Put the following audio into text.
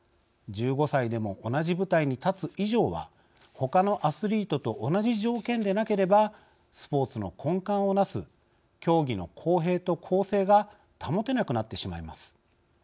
１５歳でも同じ舞台に立つ以上はほかのアスリートと同じ条件でなければスポーツの根幹をなす競技の公平と公正が保てなくなってしまいます。